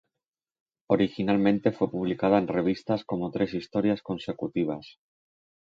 Originalmente fue publicada en revistas como tres historias consecutivas.